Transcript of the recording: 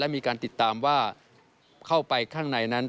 มีการติดตามว่าเข้าไปข้างในนั้น